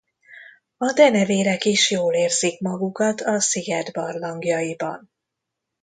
A denevérek is jól érzik magukat a sziget barlangjaiban.